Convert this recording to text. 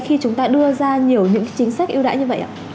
khi chúng ta đưa ra nhiều những chính sách ưu đãi như vậy ạ